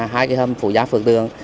hai cái hầm phủ giáp phương tương